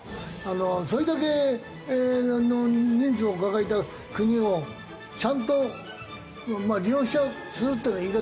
それだけの人数を抱えた国をちゃんとまあ利用するっていうのは言い方